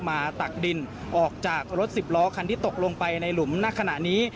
ตักดินออกจากรถสิบล้อคันที่ตกลงไปในหลุมณขณะนี้